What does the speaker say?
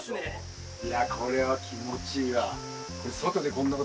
いやこれは気持ちいいわ。